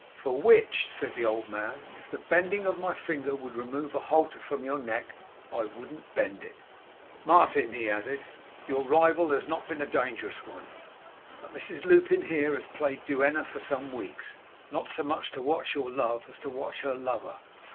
'For which,' said the old man, 'if the bending of my finger would remove a halter from your neck, I wouldn't bend it!' 'Martin,' he added, 'your rival has not been a dangerous one, but Mrs Lupin here has played duenna for some weeks; not so much to watch your love as to watch her lover.